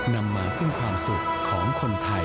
นำมาซึ่งความสุขของคนไทย